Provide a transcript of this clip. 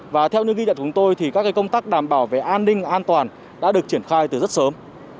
và theo những ghi nhận của chúng tôi thì các công tác đảm bảo về an ninh an toàn đã được triển khai từ rất sớm